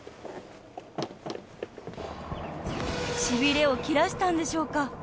［しびれを切らしたんでしょうか？］